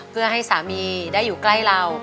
เพื่อให้สามีได้อยู่ใกล้เรา